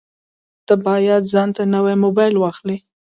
ته باید ځانته نوی مبایل واخلې